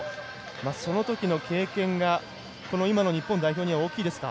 そのときの経験が今の日本代表には大きいですか？